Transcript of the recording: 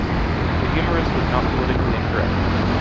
The humorist was not politically incorrect.